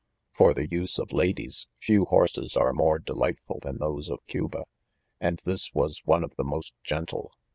a For the use of ladies^ few horses are more delightful than those of Cuba, and this was one of the most gentle.